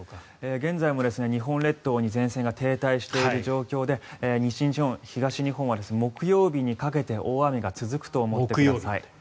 現在も日本列島に前線が停滞している状況で西日本、東日本は木曜日にかけて大雨が続くと思ってください。